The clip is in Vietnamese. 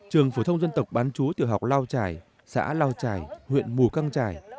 trường phổ thông dân tộc bán chú tiểu học lao trải xã lao trải huyện mù căng trải